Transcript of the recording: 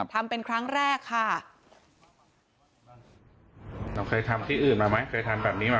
ทำเป็นครั้งแรกค่ะ